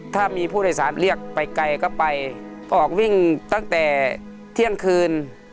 ถ้ามีผู้โดยสารเรียกไปไกลก็ไปออกวิ่งตั้งแต่เที่ยงคืน